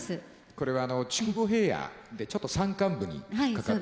これはあの筑後平野でちょっと山間部にかかっておりまして